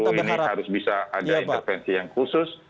oh ini harus bisa ada intervensi yang khusus